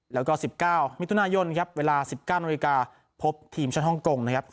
แล้วก็๑๙มิถุนายนเวลา๑๙นพบทีมชาติฮ่องกง